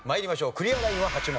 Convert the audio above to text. クリアラインは８問。